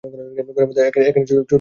ঘরের মধ্যে একখানি ছোট কার্পেট পাতা।